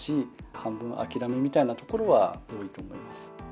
半分諦めみたいなところは多いと思います。